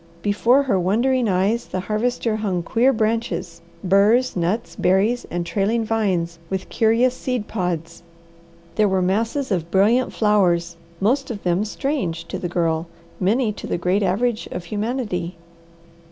Before her wondering eyes the Harvester hung queer branches, burs, nuts, berries, and trailing vines with curious seed pods. There were masses of brilliant flowers, most of them strange to the Girl, many to the great average of humanity.